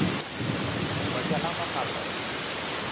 Luis María Lamas Álvarez.